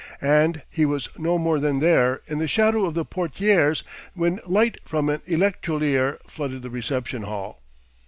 And he was no more than there, in the shadow of the portières, when light from an electrolier flooded the reception hall.